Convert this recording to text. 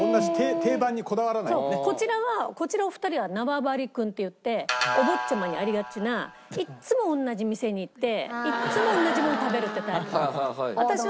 こちらはこちらお二人は縄張りくんっていってお坊ちゃまにありがちないっつも同じ店に行っていっつも同じもの食べるってタイプ。